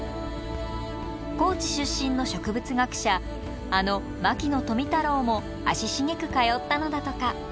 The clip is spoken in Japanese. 高知出身の植物学者あの牧野富太郎も足しげく通ったのだとか。